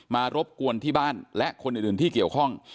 รบกวนที่บ้านและคนอื่นที่เกี่ยวข้อง